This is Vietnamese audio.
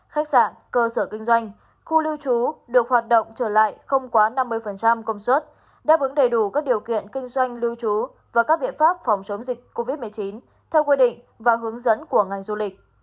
khu lưu trú được hoạt động trở lại không quá năm mươi công suất đáp ứng đầy đủ các điều kiện kinh doanh lưu trú và các viện pháp phòng chống dịch covid một mươi chín theo quy định và hướng dẫn của ngành du lịch